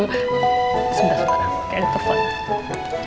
sebentar kayaknya terbang